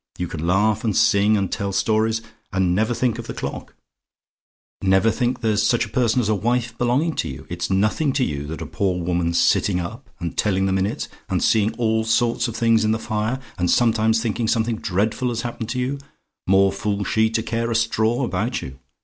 You can laugh and sing, and tell stories, and never think of the clock; never think there's such a person as a wife belonging to you. It's nothing to you that a poor woman's sitting up, and telling the minutes, and seeing all sorts of things in the fire and sometimes thinking something dreadful has happened to you more fool she to care a straw about you!